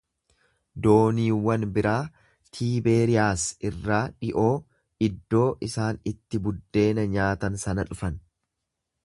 Dooniiwwan biraa Tiibeeriyaas irraa dhi’oo iddoo isaan itti buddeena nyaatan sana dhufan.